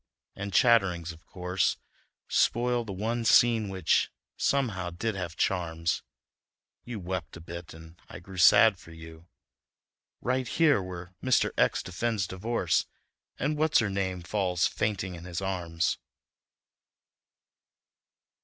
and chatterings, of course, Spoil the one scene which, somehow, did have charms; You wept a bit, and I grew sad for you Right here! Where Mr. X defends divorce And What's Her Name falls fainting in his arms."